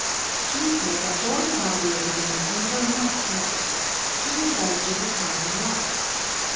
She said that George's ideas of amusement were not hers. She referred to her time of life.